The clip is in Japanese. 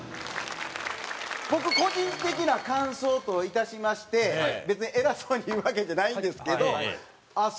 僕個人的な感想といたしまして別に偉そうに言うわけじゃないんですけどあっ